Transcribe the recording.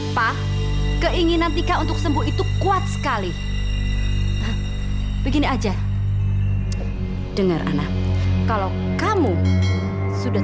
apa keinginan dia untuk senja kuat sekali oh begini aja dengar papers kalau kamu sudah